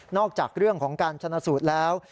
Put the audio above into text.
จากเรื่องของการชนะสูตรแล้ว